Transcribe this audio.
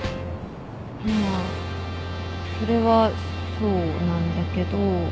まあそれはそうなんだけど。